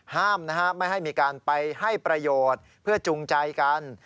ห้ามนะฮะไม่ให้มีการไปให้ประโยชน์เพื่อจูงใจกัน